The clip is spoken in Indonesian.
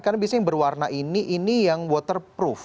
karena biasanya yang berwarna ini ini yang waterproof